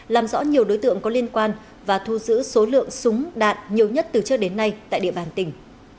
làm rõ nhiều đối tượng có liên quan và thu giữ số lượng súng đạn nhiều nhất từ trước đến nay tại địa bàn tỉnh